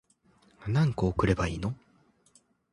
何個送ればいいの